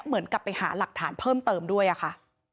เหมือนกับไปหาหลักฐานเพิ่มเติมด้วยอะค่ะ